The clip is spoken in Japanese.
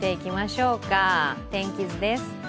天気図です。